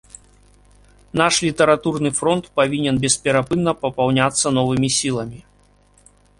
Наш літаратурны фронт павінен бесперапынна папаўняцца новымі сіламі.